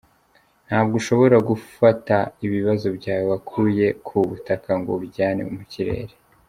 Ntabwo ushobora gufata ibibazo byawe wakuye ku butaka ngo ubijyane mu kirere.